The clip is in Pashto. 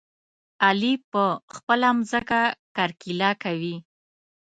علي په خپله ځمکه کرکيله کوي.